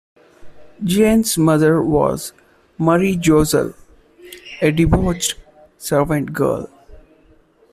Jeanne's mother was Marie Jossel, a debauched servant girl.